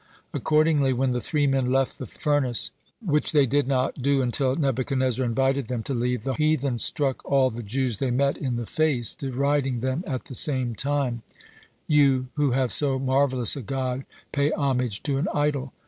(90) Accordingly, when the three men left the furnace which they did not do until Nebuchadnezzar invited them to leave (91) the heathen struck all the Jews they met in the face, deriding them at the same time: "You who have so marvellous a God pay homage to an idol!"